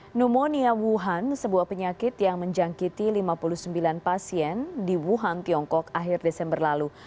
pneumonia wuhan sebuah penyakit yang menjangkiti lima puluh sembilan pasien di wuhan tiongkok akhir desember lalu